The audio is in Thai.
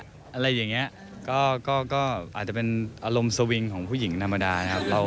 อะไรอย่างนี้ก็อาจจะเป็นอารมณ์สวิงของผู้หญิงธรรมดานะครับ